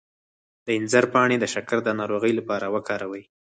د انځر پاڼې د شکر د ناروغۍ لپاره وکاروئ